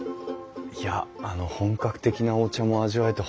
いやあの本格的なお茶も味わえて